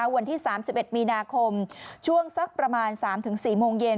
วันที่๓๑มีนาคมช่วงสักประมาณ๓๔โมงเย็น